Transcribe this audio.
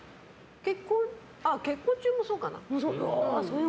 結婚中もそうかな。